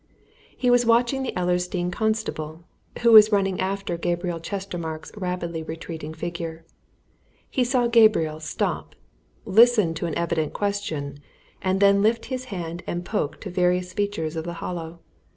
He was watching the Ellersdeane constable, who was running after Gabriel Chestermarke's rapidly retreating figure. He saw Gabriel stop, listen to an evident question, and then lift his hand and point to various features of the Hollow.